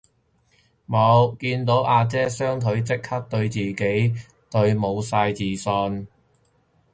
無，見到阿姐雙腿即刻對自己無晒自信